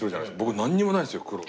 僕なんにもないんですよ苦労。